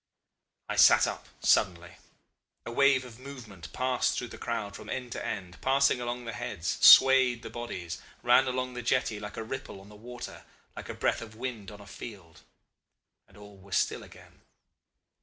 I sat up suddenly. A wave of movement passed through the crowd from end to end, passed along the heads, swayed the bodies, ran along the jetty like a ripple on the water, like a breath of wind on a field and all was still again.